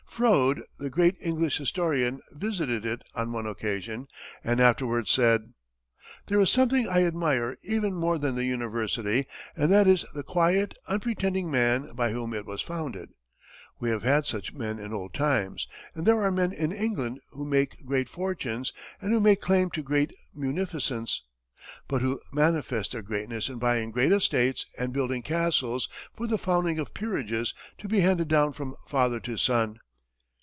Froude, the great English historian, visited it on one occasion, and afterwards said: "There is something I admire even more than the university, and that is the quiet, unpretending man by whom it was founded. We have had such men in old times, and there are men in England who make great fortunes and who make claim to great munificence; but who manifest their greatness in buying great estates and building castles for the founding of peerages to be handed down from father to son.